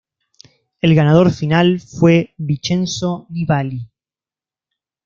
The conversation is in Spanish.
El ganador final fue Vincenzo Nibali.